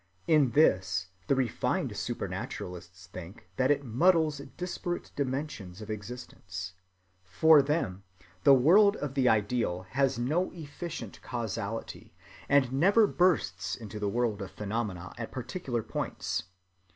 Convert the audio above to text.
In this the refined supernaturalists think that it muddles disparate dimensions of existence. For them the world of the ideal has no efficient causality, and never bursts into the world of phenomena at particular points.